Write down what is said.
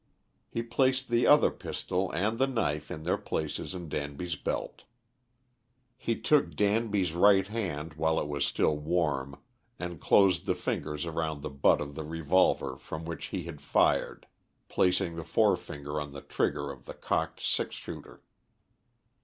He placed the other pistol and the knife in their places in Danby's belt. He took Danby's right hand while it was still warm and closed the fingers around the butt of the revolver from which he had fired, placing the forefinger on the trigger of the cocked six shooter.